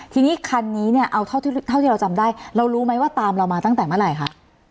ทีนี้คันนี้เนี่ยเอาเท่าที่เราจำได้เรารู้ไหมว่าตามเรามาตั้งแต่เมื่อไหร่คะ